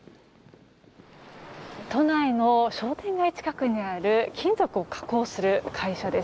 都内の商店街近くにある金属を加工する会社です。